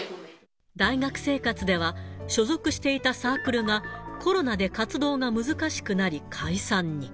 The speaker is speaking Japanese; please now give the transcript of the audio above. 大学生活では、所属していたサークルが、コロナで活動が難しくなり、解散に。